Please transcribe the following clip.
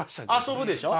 遊ぶでしょ。